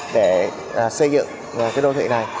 để xây dựng cái đô thị này